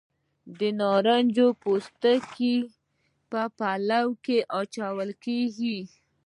د نارنج پوستکي په پلو کې اچول کیږي.